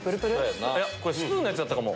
スプーンのやつだったかも。